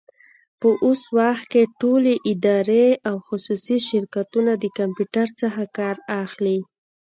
په اوس وخت کي ټولي ادارې او خصوصي شرکتونه د کمپيوټر څخه کار اخلي.